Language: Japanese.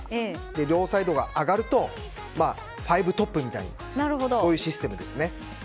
両サイドが上がると５トップになるシステムですね。